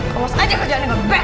kolos aja kerjaannya bebek